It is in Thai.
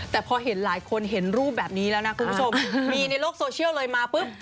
แต่พอเห็นหลายคนเห็นรูปแบบนี้แล้วนะคุณผู้ชมมีในโลกโซเชียลเลยมาปุ๊บ